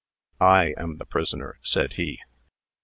"I am the prisoner," said he.